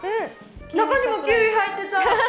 中にもキウイ入ってた。